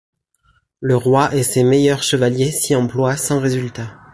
Le roi et ses meilleurs chevaliers s'y emploient sans résultat.